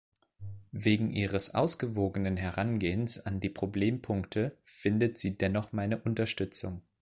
Wegen ihres ausgewogenen Herangehens an die Problempunkte findet sie dennoch meine Unterstützung.